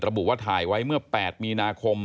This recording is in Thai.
ระบุว่าถ่ายไว้เมื่อ๘มีนาคม